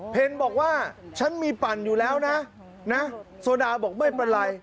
บอกว่าฉันมีปั่นอยู่แล้วนะโซดาบอกไม่เป็นไร